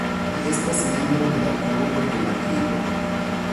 Li estas membro de la Klubo de Madrido.